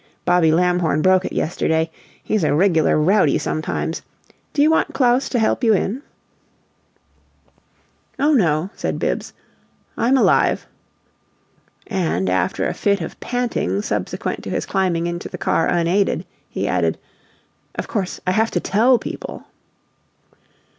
Bobby Lamhorn broke it yesterday; he's a regular rowdy sometimes. Do you want Claus to help you in?" "Oh no," said Bibbs. "I'm alive." And after a fit of panting subsequent to his climbing into the car unaided, he added, "Of course, I have to TELL people!"